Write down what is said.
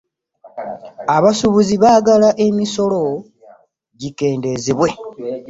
Abasuubuzi baagala emisolo gikendezebwe.